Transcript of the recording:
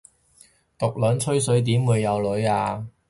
毒撚吹水點會有女吖